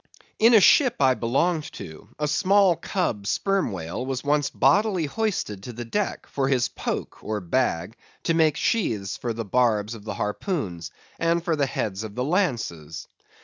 In a ship I belonged to, a small cub Sperm Whale was once bodily hoisted to the deck for his poke or bag, to make sheaths for the barbs of the harpoons, and for the heads of the lances.